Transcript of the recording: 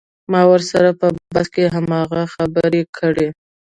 ما ورسره په بحث کښې هماغه خبرې کړلې.